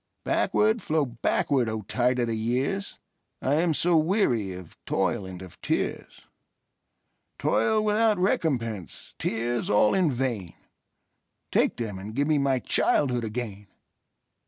Backward, flow backward, O tide of the years!I am so weary of toil and of tears,—Toil without recompense, tears all in vain,—Take them, and give me my childhood again!